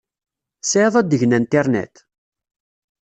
Tesɛiḍ adeg n Internet?